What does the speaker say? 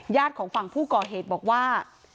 ญาติของฝั่งผู้เกาะเหตุบอกว่า